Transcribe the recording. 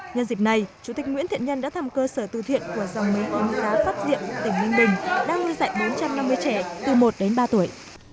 nhân dịp này chủ tịch nguyễn thiện nhân đã thăm cơ sở tù thiện của dòng mấy em giáo phát diệm tỉnh ninh bình đang nuôi dạy bốn trăm năm mươi trẻ từ một đến ba tuổi